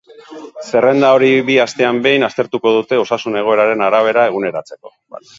Zerrenda hori bi astean behin aztertuko dute osasun-egoeraren arabera eguneratzeko.